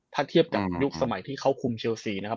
ถ้าเทียบกับยุคสมัยที่เขาคุมเชลซีนะครับ